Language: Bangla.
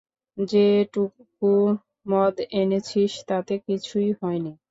যেটুকু মদ এনেছিস তাতে কিছুই হয় নি।